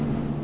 aku mau makan